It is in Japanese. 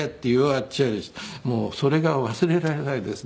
もうそれが忘れられないです。